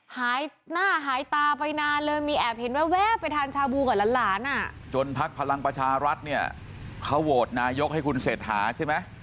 หายหน้าหายตาไปนานเลยมีแอบเห็นแวะไปทานชาบูกับหลานอ่ะจนพักพลังประชารัฐเนี่ยเขาโหวตนายกให้คุณเศรษฐาใช่ไหม